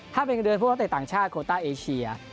ถ้าเป็นเงินเดือนประเทศต่างชาติโคต้าเอเชีย